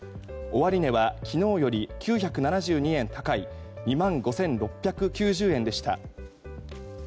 終値は昨日より９７２円高い２万５６９０円でした。